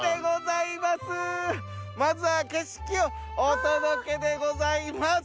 まずは景色をお届けでございます。